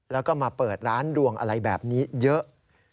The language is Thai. แล้วก็มาเปิดร้านดวงอะไรแบบนี้เยอะ